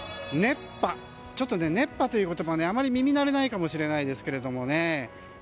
熱波という言葉はあまり耳慣れないかもしれないですけどね。